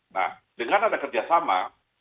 nah dengan ada kerjasama